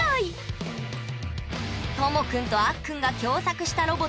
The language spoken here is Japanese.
ともくんとあっくんが共作したロボット